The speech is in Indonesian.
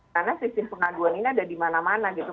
karena sistem pengaduan ini ada di mana mana gitu